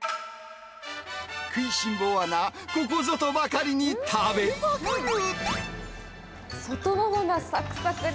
食いしん坊アナ、ここぞとばかりに食べまくる。